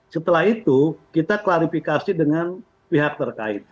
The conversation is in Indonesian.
setelah itu kita klarifikasi dengan pihak terkait